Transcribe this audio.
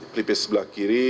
kelipis sebelah kiri